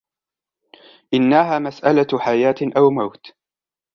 إنها مسالة حياة أو موت.